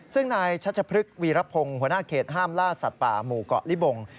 ซึ่งนายชัชพฤกษวีรพงศ์หัวหน้าเขตห้ามล่าสัตว์ป่าหมู่เกาะลิบง